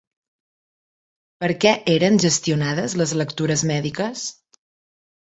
Per què eren gestionades les lectures mèdiques?